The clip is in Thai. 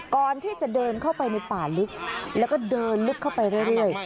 ก่อนที่จะเดินเข้าไปในป่าลึกแล้วก็เดินลึกเข้าไปเรื่อย